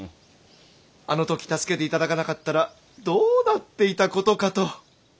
あのとき助けていただかなかったらどうなっていたことかと。